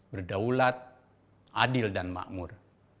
berdaulat adil dan makmur